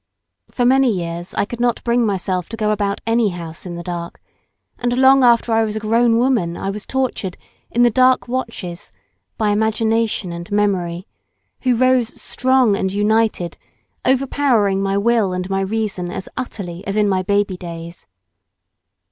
For many years I could not bring myself to go about any house in the dark, and long after I was a grown woman I was tortured, in the dark watches, by imagination and memory, who rose strong and united, overpowering my will and my reason as utterly as in my baby days.